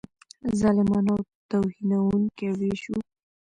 ظالمانه او توهینونکی وېش وو.